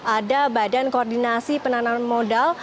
ada badan koordinasi penanaman modal